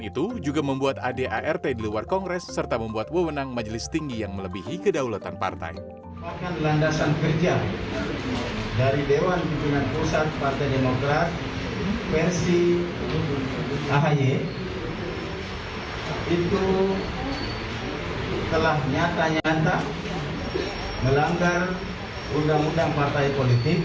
itu telah nyata nyata melanggar undang undang partai politik